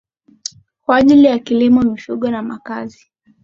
kwa ajili ya kilimo mifugo na makazi